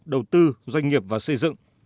đầu tư doanh nghiệp và xây dựng